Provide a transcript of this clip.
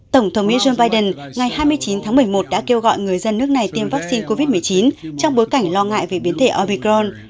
tổng thống mỹ joe biden ngày hai mươi chín tháng một mươi một đã kêu gọi người dân nước này tiêm vaccine covid một mươi chín trong bối cảnh lo ngại về biến thể obicron